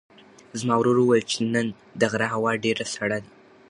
زما ورور وویل چې نن د غره هوا ډېره سړه ده.